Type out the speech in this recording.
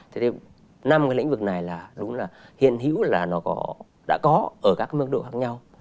thế thì năm cái lĩnh vực này là đúng là hiền hữu là nó đã có ở các mức độ khác nhau